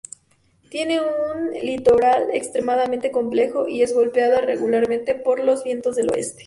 Tiene un litoral extremadamente complejo, y es golpeada regularmente por los vientos del oeste.